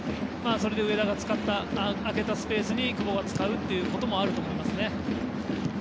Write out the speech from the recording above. それで上田が空けたスペースを久保が使うというのもあると思いますね。